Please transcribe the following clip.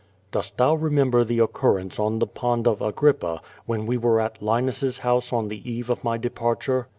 Dost thou remember the occurrence on the pond of Agrippa, when wo were at Linus's house on the eve of my departure?